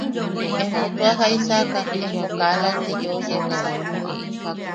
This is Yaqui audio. ¿Empo tua jaisaka empo kaa lauti yeu yepsa?